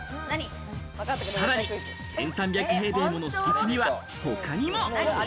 さらに１３００平米もの敷地には他にも。